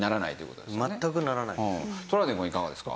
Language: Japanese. トラウデンくんはいかがですか？